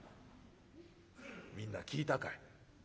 「みんな聞いたかい？